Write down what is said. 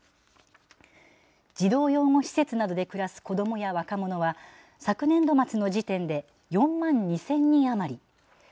児童養護施設などで暮らす子どもや若者は、昨年度末の時点で４万２０００人余り。